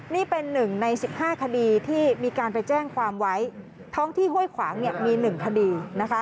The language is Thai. นี่เป็นหนึ่งใน๑๕คดีที่มีการไปแจ้งความไว้ท้องที่ห้วยขวางมี๑คดีนะคะ